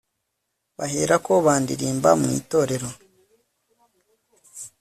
baherako bandirimba mu itorero